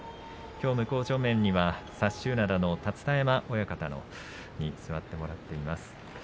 きょう、向正面には薩洲洋の立田山親方に座っていただいています。